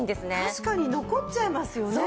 確かに残っちゃいますよね。